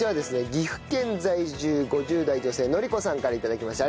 岐阜県在住５０代女性典子さんから頂きました。